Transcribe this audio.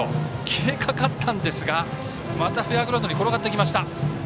切れかかったんですがまたフェアグラウンドに転がってきました。